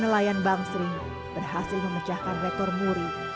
lima puluh enam nelayan bangsri berhasil memecahkan rekor muri